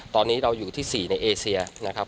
ตอนนี้เราอยู่ที่๔ในเอเซียนะครับ